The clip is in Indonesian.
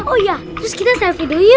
oh iya terus kita selfie dulu yuk